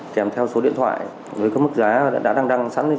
kèm theo số điện thoại với mức giá đã đăng đăng sẵn trên đấy